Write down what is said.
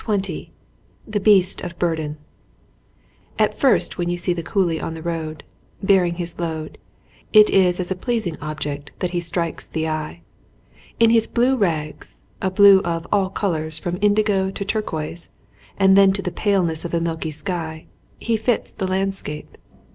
76 XX THE BEAST OF BURDEN AT first when you see the coolie on the road, bearing his load, it is as a pleas ing object that he strikes the eye. In his blue rags, a blue of all colours from indigo to turquoise and then to the paleness of a milky sky, he fits the landscape.